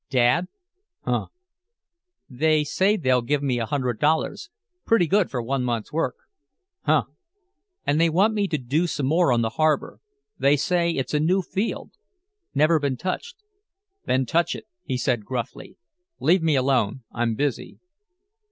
"Dad." "Huh?" "They say they'll give me a hundred dollars. Pretty good for one month's work." "Huh." "And they want me to do some more on the harbor. They say it's a new field. Never been touched." "Then touch it," he said gruffly. "Leave me alone. I'm busy."